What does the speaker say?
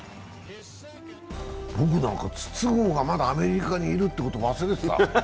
僕なんか、筒香がまだアメリカにいるってこと忘れてた。